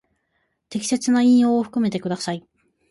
適切な引用を含めてください。